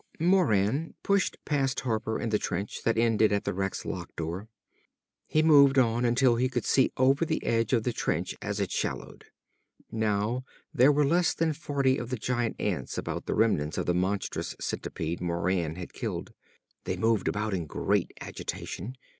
_"Moran pushed past Harper in the trench that ended at the wreck's lock door. He moved on until he could see over the edge of that trench as it shallowed. Now there were not less than forty of the giant ants about the remnants of the monstrous centipede Moran had killed. They moved about in great agitation.